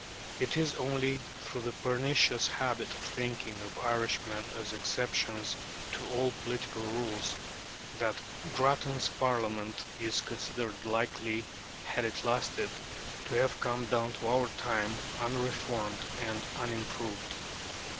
It is only through the pernicious habit of thinking of Irishmen as exceptions to all political rules that Grattan's Parliament is considered likely, had it lasted, to have come down to our time unreformed and unimproved.